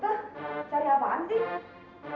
tante cari apaan tee